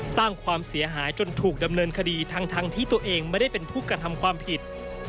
สร้างความเสียหายจนถูกดำเนินคดีทั้งที่ตัวเองไม่ได้เป็นผู้กระทำความผิด